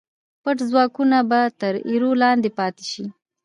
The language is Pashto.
پټ ځواکونه به تر ایرو لاندې پاتې شي.